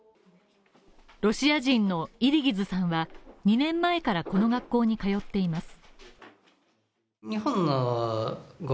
ロシア人のイリギズさんは２年前からこの学校に通っています。